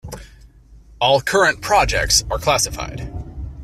All current projects are classified.